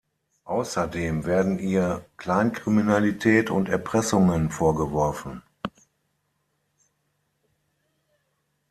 Außerdem werden ihr Kleinkriminalität und Erpressungen vorgeworfen.